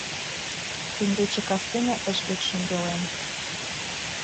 Теҥгече кастене ыш лек шӱмбелем